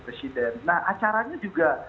presiden nah acaranya juga